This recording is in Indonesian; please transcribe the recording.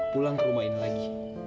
pulang ke rumah ini lagi